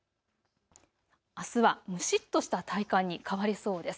あすは蒸しっとした体感に変わりそうです。